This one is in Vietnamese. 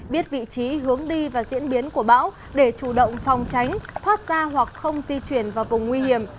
biết vị trí hướng đi và diễn biến của bão để chủ động phòng tránh thoát ra hoặc không di chuyển vào vùng nguy hiểm